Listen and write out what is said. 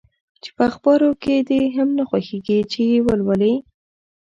چي په اخبارو کي دي هم نه خوښیږي چي یې ولولې؟